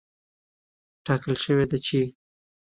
ټاکل شوې ده چې